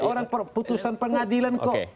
orang putusan pengadilan kok